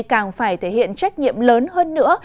càng phải thể hiện trách nhiệm lớn hơn nữa